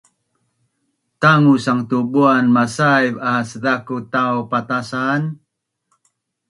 Tangusang tu buan masaiv aas zaku tau patasan